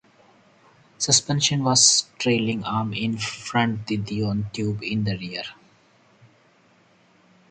Suspension was trailing arm in front De Dion tube in the rear.